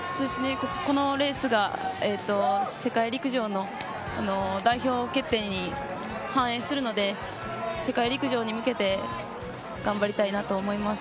このレースが世界陸上の代表決定に反映されるので世界陸上に向けて頑張りたいなと思います。